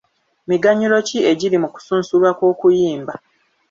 Miganyulo ki egiri mu kusunsulwa kw'okuyimba?